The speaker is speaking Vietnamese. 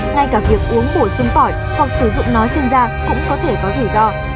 ngay cả việc uống bổ sung tỏi hoặc sử dụng nó trên da cũng có thể có rủi ro